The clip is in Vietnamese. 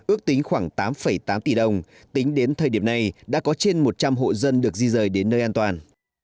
ước tính khoảng tám tám tỷ đồng tính đến thời điểm này đã có trên một trăm linh hộ dân được di rời đến nơi an toàn